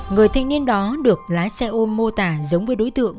người thanh niên đó được lái xe ôm mô tả giống với đối tượng